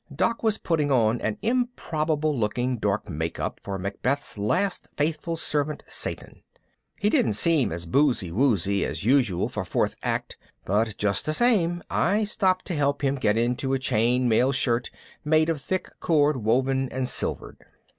Doc was putting on an improbable looking dark makeup for Macbeth's last faithful servant Seyton. He didn't seem as boozy woozy as usual for Fourth Act, but just the same I stopped to help him get into a chain mail shirt made of thick cord woven and silvered.